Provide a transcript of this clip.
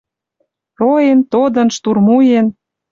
Роэн, тодын, штурмуен.